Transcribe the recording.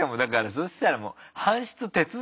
そしたら。